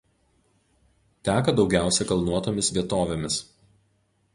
Teka daugiausia kalnuotomis vietovėmis.